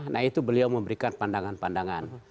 nah itu beliau memberikan pandangan pandangan